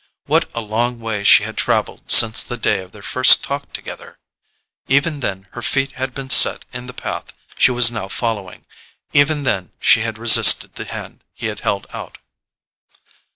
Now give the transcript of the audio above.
What a long way she had travelled since the day of their first talk together! Even then her feet had been set in the path she was now following—even then she had resisted the hand he had held out.